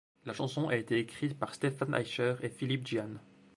La chanson a été écrite par Stephan Eicher et Philippe Djian.